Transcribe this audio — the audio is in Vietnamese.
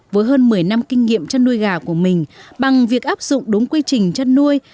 với hơn một mươi năm kinh nghiệm chăn nuôi gà của mình bằng việc áp dụng đúng quy trình chăn nuôi